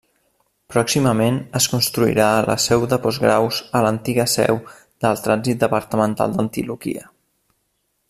Pròximament es construirà la seu de Postgraus a l'antiga seu del Trànsit Departamental d'Antioquia.